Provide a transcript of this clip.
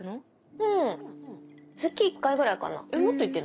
うん月１回ぐらいかな。